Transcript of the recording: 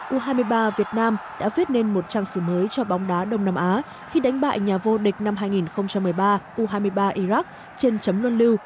u hai mươi ba việt nam đã viết nên một trang sử mới cho bóng đá đông nam á khi đánh bại nhà vô địch năm hai nghìn một mươi ba u hai mươi ba iraq trên chấm luân lưu